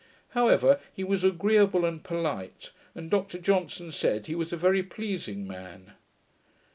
However, he was agreeable and polite, and Dr Johnson said, he was a very pleasing man.